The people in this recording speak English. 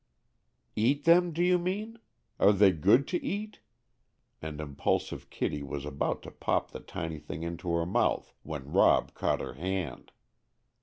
"Eat them, do you mean? Are they good to eat?" and impulsive Kitty was about to pop the tiny thing into her mouth, when Rob caught her hand.